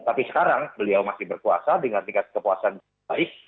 tapi sekarang beliau masih berkuasa dengan tingkat kepuasan baik